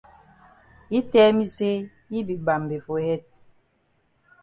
Yi tell me say yi be mbambe for head.